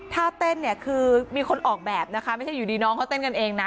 ถ้าเต้นเนี่ยคือมีคนออกแบบนะคะไม่ใช่อยู่ดีน้องเขาเต้นกันเองนะ